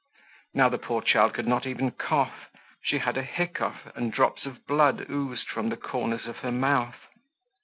Now the poor child could not even cough. She had a hiccough and drops of blood oozed from the corners of her mouth.